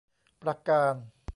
ประการ